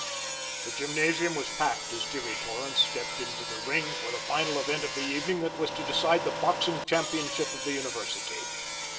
The gymnasium was packed as Jimmy Torrance stepped into the ring for the final event of the evening that was to decide the boxing championship of the university.